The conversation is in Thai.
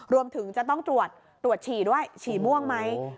รวมถึงจะต้องตรวจตรวจฉี่ด้วยฉี่ม่วงไหม